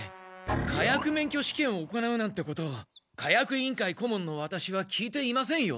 火薬免許試験を行うなんてこと火薬委員会顧問のワタシは聞いていませんよ。